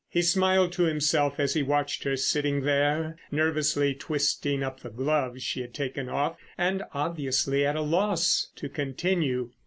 He smiled to himself as he watched her sitting there, nervously twisting up the gloves she had taken off, and, obviously, at a loss to continue.